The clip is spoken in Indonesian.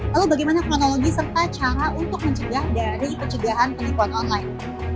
lalu bagaimana kronologi serta cara untuk mencegah dari pencegahan penipuan online